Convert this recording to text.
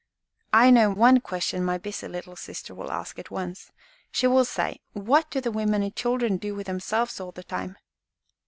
"I know one question my busy little sister will ask at once. She will say, 'What do the women and children do with themselves all the time?'